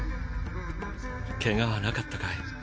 けがはなかったかい？